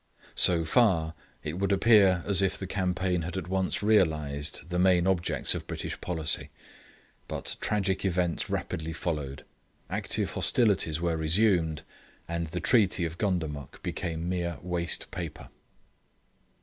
So far, it would appear as if the campaign had at once realised the main objects of British policy; but tragic events rapidly followed, active hostilities were resumed, and the Treaty of Gundamuk became mere waste paper.